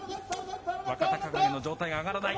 若隆景の上体が上がらない。